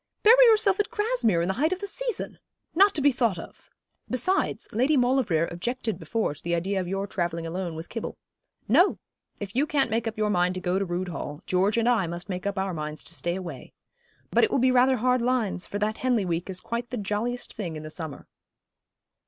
'Bury yourself at Grasmere in the height of the season! Not to be thought of! Besides, Lady Maulevrier objected before to the idea of your travelling alone with Kibble. No! if you can't make up your mind to go to Rood Hall, George and I must make up our minds to stay away. But it will be rather hard lines; for that Henley week is quite the jolliest thing in the summer.'